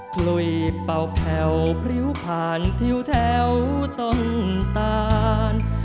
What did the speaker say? คลุยเป่าแผ่วพริ้วผ่านทิวแถวต้นตาน